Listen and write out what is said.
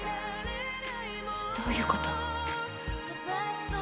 どういうこと？